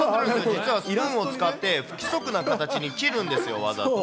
実はスプーンを使って、不規則な形に切るんですよ、わざと。